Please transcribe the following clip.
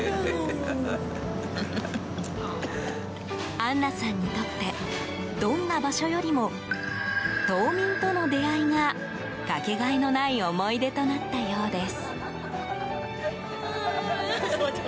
アンナさんにとってどんな場所よりも島民との出会いがかけがえのない思い出となったようです。